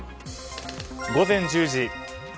午前１０時。